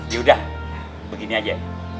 yaudah begini aja